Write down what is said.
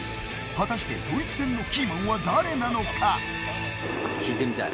果たしてドイツ戦のキーマンは誰なのか。